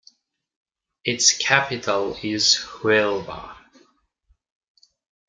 Its capital is Huelva.